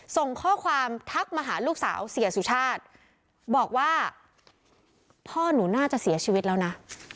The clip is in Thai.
ส่งข้อความทักมาหาลูกสาวเสียสุชาติบอกว่าพ่อหนูน่าจะเสียชีวิตแล้วนะ